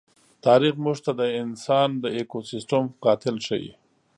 تاریخ موږ ته انسان د ایکوسېسټم قاتل ښيي.